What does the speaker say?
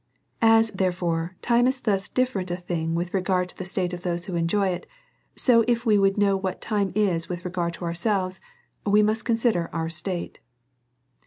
As, therefore, time is thus different a thing with re gard to the state of those who enjoy it, so if we would know what time is with regard to ourselves, we must consider our state.